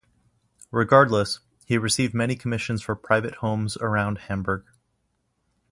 Regardless, he received many commissions for private homes around Hamburg.